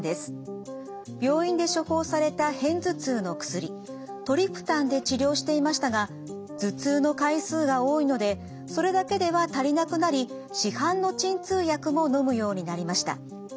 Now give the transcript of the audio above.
病院で処方された片頭痛の薬トリプタンで治療していましたが頭痛の回数が多いのでそれだけでは足りなくなり市販の鎮痛薬ものむようになりました。